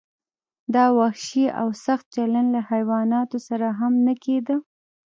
دا وحشي او سخت چلند له حیواناتو سره هم نه کیده.